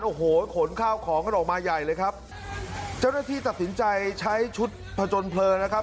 โอ้โหขนข้าวของกันออกมาใหญ่เลยครับเจ้าหน้าที่ตัดสินใจใช้ชุดผจญเพลิงนะครับ